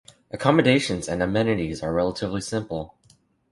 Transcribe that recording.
Accommodations and amenities are relatively simple.